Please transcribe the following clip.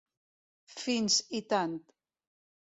Fins i tant.